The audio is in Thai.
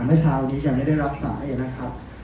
เมื่อเช้านี้ยังไม่ได้รับสายนะครับ